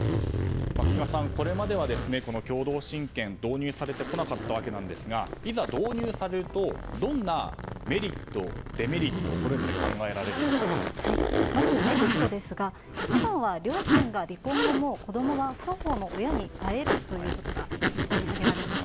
空閑さん、これまでは共同親権導入されてこなかったわけですがいざ導入されるとどんなメリット、デメリットがまずメリットですが両親が離婚後も子供は双方の親に会えるということが一番に挙げられます。